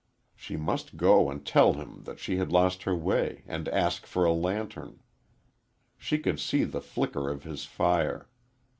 She must go and tell him that she had lost her way and ask for a lantern. She could see the flicker of his fire.